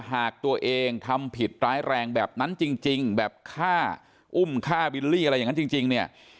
หากตัวเองทำผิดร้ายแรงแบบนั้นจริงแบบฆ่าอุ้มฆ่าบิลลี่อะไรอย่างนั้นจริงเนี่ย